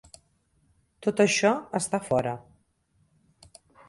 Tot això està fora.